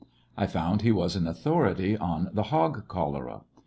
I found he was an authority on the hog chol era.